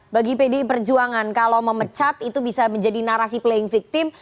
bagi pdi perjuangan kalau memecat itu bisa menjadi narasi playing victim